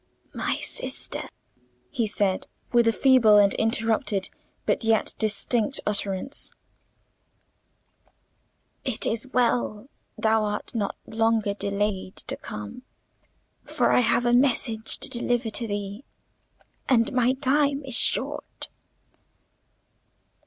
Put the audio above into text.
"My sister!" he said, with a feeble and interrupted but yet distinct utterance, "it is well thou hast not longer delayed to come, for I have a message to deliver to thee, and my time is short."